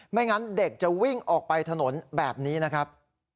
งั้นเด็กจะวิ่งออกไปถนนแบบนี้นะครับ